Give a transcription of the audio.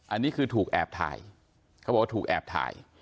อันนี้คือถูกแอบถ่ายเขาบอกว่าถูกแอบถ่าย